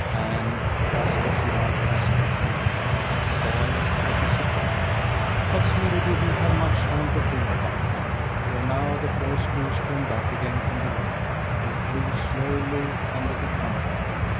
And just as he might have expected the boy had disappeared. But Smirre didn't have much time to think about him; for now the first goose came back again from the lake and flew slowly under the canopy.